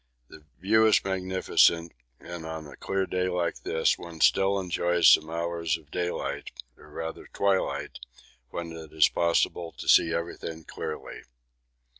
The view is magnificent, and on a clear day like this, one still enjoys some hours of daylight, or rather twilight, when it is possible to see everything clearly.